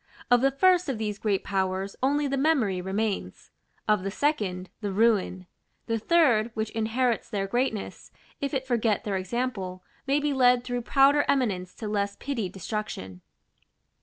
Of the First of these great powers only the memory remains; of the Second, the ruin; the Third, which inherits their greatness, if it forget their example, may be led through prouder eminence to less pitied destruction.